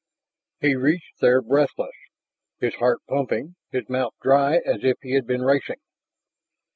He reached there breathless, his heart pumping, his mouth dry as if he had been racing.